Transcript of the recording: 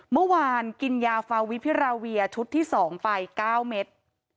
เมื่อวานกินยาฟาวิพิราเวียชุดที่๒ไป๙เม็ด